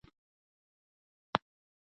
دوی له هر ګوټ څخه راټولېدلې وو.